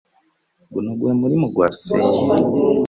Guno gwe mulimu gwaffe